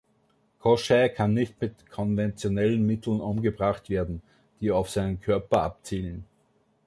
Koschei kann nicht mit konventionellen Mitteln umgebracht werden, die auf seinen Körper abzielen.